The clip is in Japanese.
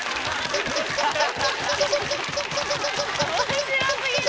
面白過ぎる。